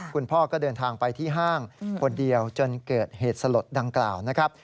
คุณพ่อก็เดินทางไปที่ห้างคนเดียวจนเกิดเหตุสลดดังกล่าวนะครับ